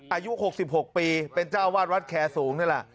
อายุ๖๖ปีเป็นเจ้าวาดวัดแคร์สูงนี่แหละ